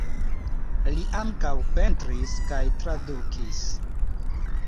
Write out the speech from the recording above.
Li ankaŭ pentris kaj tradukis.